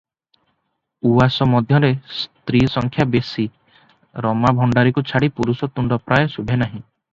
ଉଆସ ମଧ୍ୟରେ ସ୍ତ୍ରୀ ସଂଖ୍ୟା ବେଶି, ରାମା ଭଣ୍ଡାରିକୁ ଛାଡ଼ି ପୁରୁଷ ତୁଣ୍ଡ ପ୍ରାୟ ଶୁଭେ ନାହିଁ ।